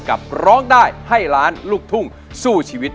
ร้องได้ให้ล้านลูกทุ่งสู้ชีวิต